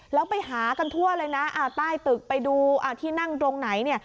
แล้วไปหากันทั่วเลยนะใต้ตึกไปดูที่นั่งตรงไหนเนี่ย